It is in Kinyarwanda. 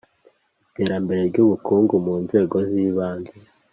Iterambere ry’ ubukungu mu nzego z ‘ibanze